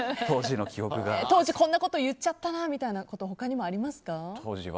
当時こんなこと言っちゃったなということ他にもありますか？